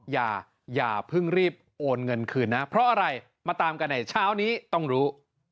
อย่าเพิ่งรีบโอนเงินคืนนะเพราะอะไรมาตามกันในเช้านี้ต้องรู้